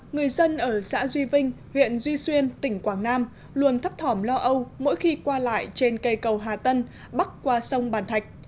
người dân ở xã duy vinh huyện duy xuyên tỉnh quảng nam luôn thấp thỏm lo âu mỗi khi qua lại trên cây cầu hà tân bắc qua sông bàn thạch